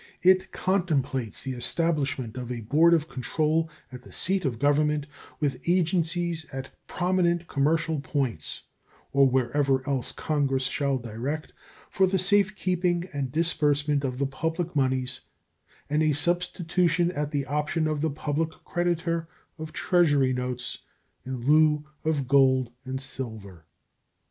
It contemplates the establishment of a board of control at the seat of government, with agencies at prominent commercial points or wherever else Congress shall direct, for the safe keeping and disbursement of the public moneys and a substitution at the option of the public creditor of Treasury notes in lieu of gold and silver.